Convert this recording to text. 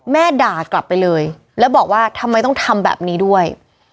ด่ากลับไปเลยแล้วบอกว่าทำไมต้องทำแบบนี้ด้วย